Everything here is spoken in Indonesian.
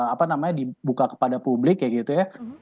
apa namanya dibuka kepada publik ya gitu ya